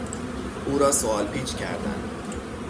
او را سوال پیچ کردند.